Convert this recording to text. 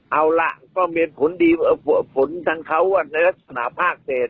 เอาล่ะก็มีกันผลทางเขาในรัฐฯนาภาคเจษ